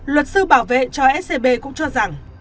luật sư bảo vệ cho scb cũng cho rằng